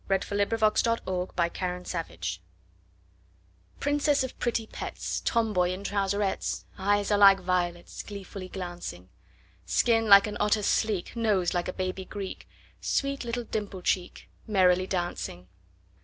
1838 The Little Rebel PRINCESS of pretty pets, Tomboy in trouserettes, Eyes are like violets, Gleefully glancing! Skin like an otter sleek, Nose like a baby Greek, Sweet little dimple cheek, Merrily dancing!